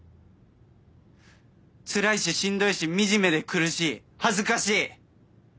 つらいししんどいし惨めで苦しい。恥ずかしい！